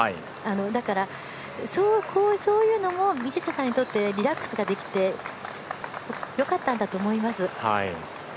だから、そういうのも道下さんにとってリラックスができてよかったんだと思います。